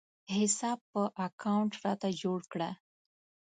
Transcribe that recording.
حساب پې اکاونټ راته جوړ کړه